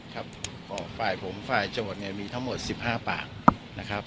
ครับอ๋อฝ่ายผมฝ่ายโจทย์มีทั้งหมดสิบห้าปากนะครับ